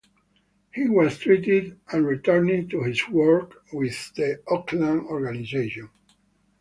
He was treated and returned to his work with the Oakland organization.